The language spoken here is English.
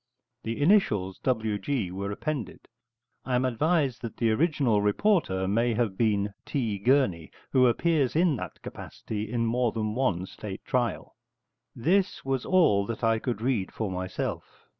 The initials W. G. are appended; I am advised that the original reporter may have been T. Gurney, who appears in that capacity in more than one State trial. This was all that I could read for myself.